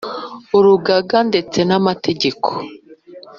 urugaga ndetse n amategeko